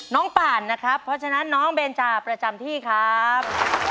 ป่านนะครับเพราะฉะนั้นน้องเบนจาประจำที่ครับ